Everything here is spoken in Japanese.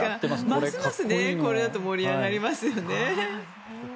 ますますこれだと盛り上がりますよね。